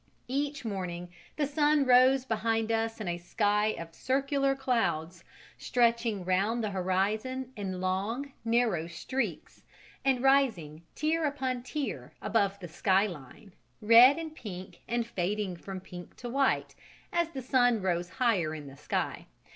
Each morning the sun rose behind us in a sky of circular clouds, stretching round the horizon in long, narrow streaks and rising tier upon tier above the sky line, red and pink and fading from pink to white, as the sun rose higher in the sky.